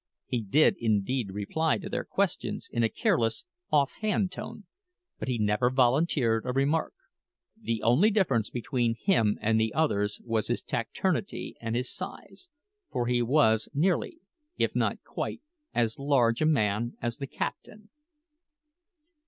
He did indeed reply to their questions in a careless, off hand tone, but he never volunteered a remark. The only difference between him and the others was his taciturnity and his size, for he was nearly, if not quite, as large a man as the captain.